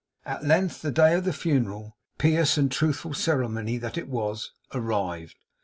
At length the day of the funeral, pious and truthful ceremony that it was, arrived.